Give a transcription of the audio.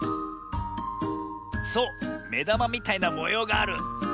そうめだまみたいなもようがある。